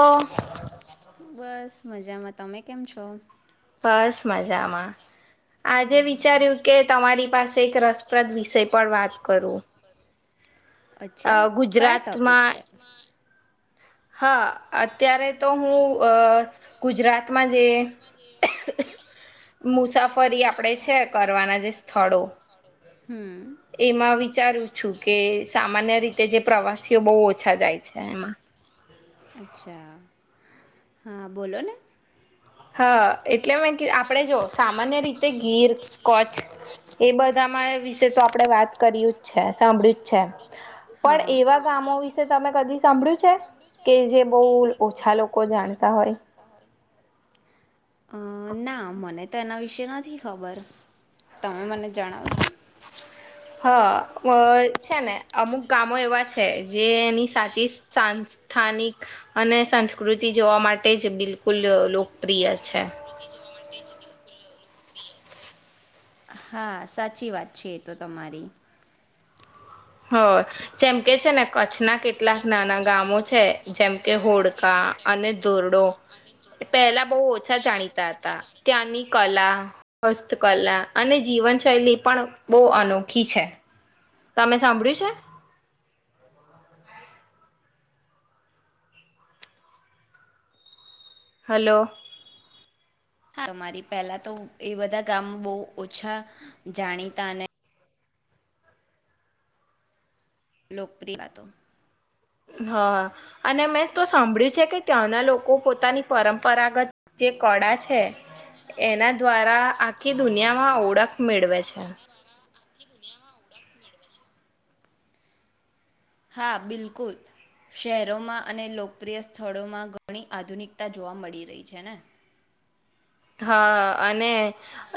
કેમ છો બસ મજામાં તમે કેમ છો? બસ મજામાં આજે વિચાર્યું કે તમારી પાસે એક રસપ્રદ વિષય પર વાત કરું અ અચ્છા કયા ટોપિક ગુજરાતમાં પર હા હા અ ત્યારે તો હું અ ગુજરાત માજે મુસાફ ફરી આપણેે છે કરવાના જે સ્થળો હમ એમાં વિચારું છું કે સામાન્ય રીતે જે પ્રવાસીઓ બહુ ઓછા જાય છે એમાં અચ્છા હા બોલો ને હા એટલે મે કે આપણે જો સામાન્ય રીતે ગીર કચ્છ એ બધામાં વિશે તો આપણે વાત કરીયું જ છે સાંભળ્યું જ છે પણ હા એવા ગામો વિશે તમે કદી સાંભળ્યું છે કે જે બહુ ઓછા લોકો જાણતા હોય અ ના મને તેના વિશે નથી ખબર તમે મને જણાવશો વ ચે ને અમુક ગામો એવા છે જે એની સાચી સ્થાન સ્થાનિક અને સંસ્કૃતિ જોવા માટે જ બિલકુલ લોકપ્રિય છે હા સાચી વાત છે એ તો તમારી હ જેમ કે છે ને કચ્છના કેટલાક નાના ગામો છે જેમ કે હોડકા અને ધોરડો પહેલા બહુ ઓછા જાણીતા હતા ત્યાંની કલા હસ્તકલા અને જીવનશૈલી પણ બહુ અનોખી છે તમે સાંભળ્યું છે હલો આ અમારી પહેલા તો એ બધા ગામ બહુ ઓછા જાણીતા અને લોકપ્રિય હતો હા અને મેં તો સાંભળ્યું છે કે ત્યાંના લોકો પોતાની પરંપરાગત જે કળા છે એના દ્વારા આખી દુનિયામાં ઓળખ મેળવે છે હા બિલકુલ શહેરોમાં અને લોકપ્રિય સ્થળોમાં ઘણી આધુનિકતા જોવા મળી રહી છે ને હા અને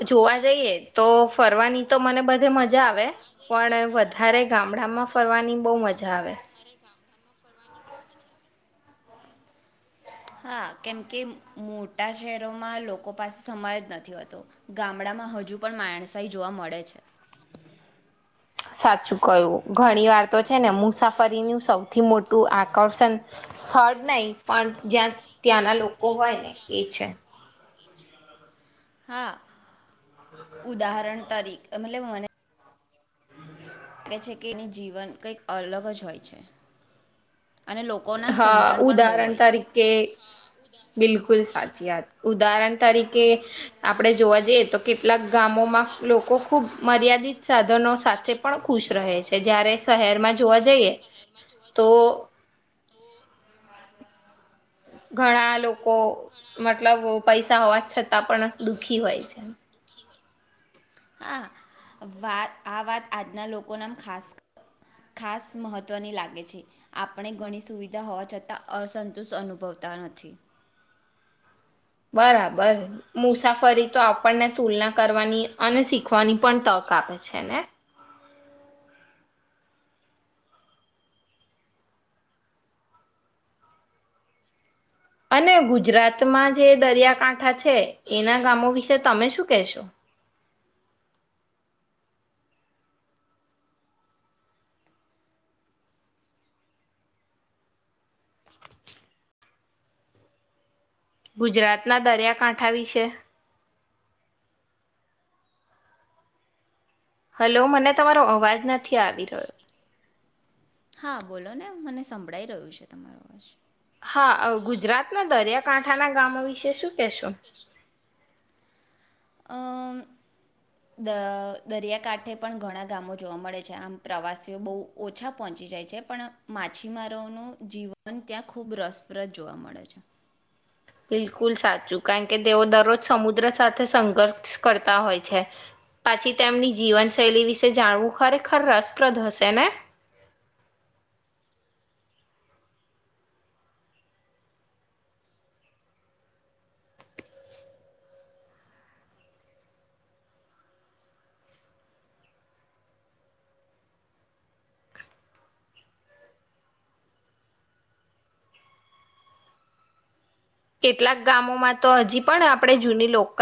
જોવા જઈએ તો ફરવાની તો મને બધે મજા આવે પણ વધારે ગામડામાં ફરવાની બહુ મજા આવે હા કેમ કે મોટા શહેરોમાં લોકો પાસે સમય જ નથી હોતો ગામડામાં હજુ પણ માણસાઈ જોવા મળે છે સાચું કયું ઘણી વાર તો છે ને મુસાફરીનું સૌથી મોટું આકર્ષણ સ્થળ નહી પણ જ્યાં ત્યાંના લોકો હોય ને એ છે હા ઉદાહરણ તરીકે [unintelligible] મને લાગે છે કે એની જીવન કંઈક અલગ જ હોય છે અને લોકોના હા સમજણ પણ બહુ ઉદાહરણ હોય છે તરીકે બિલકુલ સાચી વાત ઉદાહરણ તરીકે આપણે જોવા જઈએ તો કેટલાક ગામોમાં લોકો ખુબ મર્યાદિત સાધનો સાથે પણ ખુશ રહે છે જયારે શહેરમાં જોવા જઈએ તો ઘણા લોકો મતલબો પૈસા હોવા છતાં પણ દુઃખી હોય છે હા વાત આ વાત આજના લોકો ના ખાસ ખાસ મહત્વની લાગે છે આપણે ઘણી સુવિધા હોવા છતાં અસંતુષ અનુભવતા નથી બરાબર મુસાફરી તો આપણને તુલના કરવાની અને શીખવાની પણ તક આપે છે ને અને ગુજરાતમાં જે દરિયાકાંઠા છે એના ગામો વિશે તમે શું કહેશો? ગુજરાતના દરિયાકાંઠા વિશે? હલો મને તમારો અવાજ નથી આવી રહ્યો. હા બોલો ને મને સંભળાઈ રહ્યું છે તમારો અવાજ. હા ગુજરાતના દરિયાકાંઠાના ગામો વિશે શું કેશો? અમ દ દરિયાકાંઠે પણ ઘણા ગામો જોવા મળે છે આમ પ્રવાસીઓ બહુ ઓછા પહોંચી જાય છે પણ માછીમારોનું જીવન ત્યાં ખૂબ રસપ્રદ જોવા મળે છે. બિલકુલ સાચું કારણ કે તેઓ દરરોજ સમુદ્ર સાથે સંઘર્ષ કરતા હોય છે પાછી તેમની જીવનશૈલી વિશે જાણવું ખરેખર રસપ્રદ હશે ને? કેટલાક ગામોમાં તો હજી પણ આપણેે જૂની લોકલ